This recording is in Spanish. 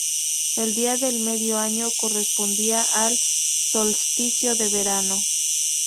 El Día del Medio Año correspondía al solsticio de verano.